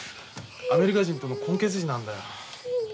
アメリカ人との混血児なんだ。